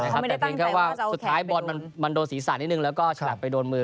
แต่เพียงแค่ว่าสุดท้ายบอลมันโดนศีรษะนิดนึงแล้วก็ฉลับไปโดนมือ